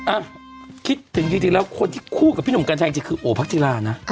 อ่ะคิดถึงจริงแล้วคนที่คู่กับพี่หนุ่มกัญชัยจริงคือโอพักจิรานะ